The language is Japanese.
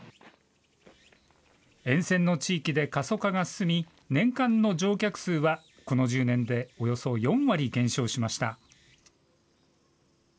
沿線の地域で過疎化が進み年間の乗客数はこの１０年でおよそ４割減少しました。